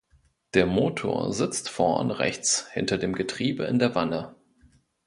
Der Motor sitzt vorn rechts hinter dem Getriebe in der Wanne.